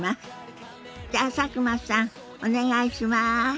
じゃあ佐久間さんお願いします。